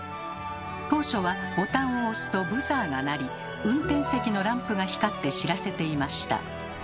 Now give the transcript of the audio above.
当初はボタンを押すとブザーが鳴り運転席のランプが光って知らせていました。